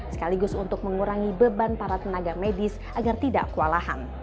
sekaligus untuk mengurangi beban para tenaga medis agar tidak kualahan